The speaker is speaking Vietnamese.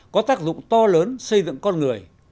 có tác dụng to lớn xây dựng con người